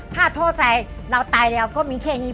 ถ้าโทษใจเราตายแล้วก็มีแค่นี้